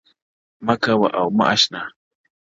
مـــــه كـــــوه او مـــه اشـــنـــا،